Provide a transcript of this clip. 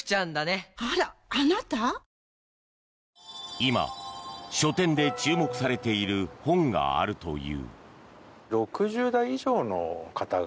今、書店で注目されている本があるという。